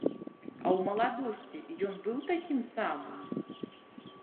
А ў маладосці ён быў такім самым?